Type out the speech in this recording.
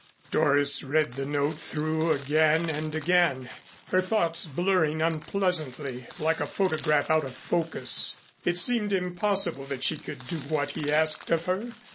Doris read the note through again and again, her thoughts blurring unpleasantly, like a photograph out of focus. It seemed impossible that she could do what he asked of her.